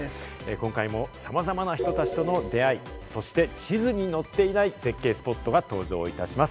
今回もさまざまな人たちとの出会い、そして地図に載っていない絶景スポットが登場いたします。